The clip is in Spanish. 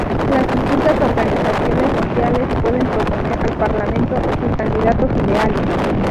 Las distintas organizaciones sociales pueden proponer al parlamento sus candidatos ideales.